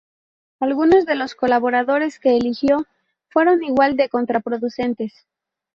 Algunos de los colaboradores que eligió fueron igual de contraproducentes.